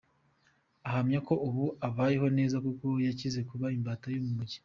Ahamya ko ubu abayeho neza kuko yakize kuba imbata y’urumogi.